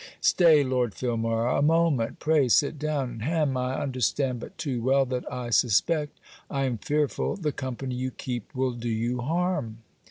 'Stay, Lord Filmar, a moment pray sit down. Hem! I understand but too well that is I suspect I am fearful, the company you keep will do you harm.'